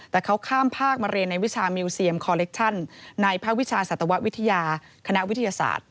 แต่เขาข้ามภาคมาเรียนในวิชามิวเซียมคอเล็กชั่นในภาควิชาสัตววิทยาคณะวิทยาศาสตร์